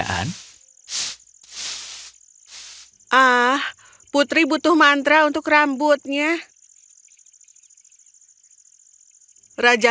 tidak pernah senang dengan putri